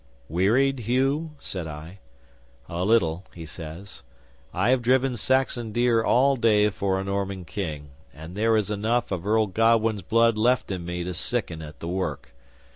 '"Wearied, Hugh?" said I. '"A little," he says. "I have driven Saxon deer all day for a Norman King, and there is enough of Earl Godwin's blood left in me to sicken at the work.